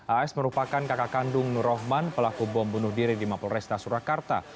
as merupakan kakak kandung nur rahman pelaku bom bunuh diri di mapolresta surakarta